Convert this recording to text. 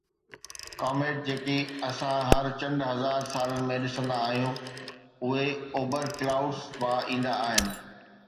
ڪاميٽ جيڪي اسان هر چند هزار سالن ۾ ڏسندا آهيون، اهي ”اوپرٽ ڪلائوڊس“ مان ايندا آهن.